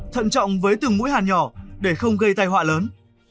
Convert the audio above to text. thận trọng với từng mũi hàn nhỏ để không gây tay hoạ lớn